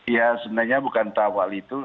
iya sebenarnya bukan tahap awal itu